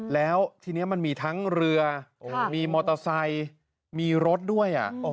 แล้วทีนี้มันมีทั้งเรือมีมอเตอร์ไซค์มีรถด้วย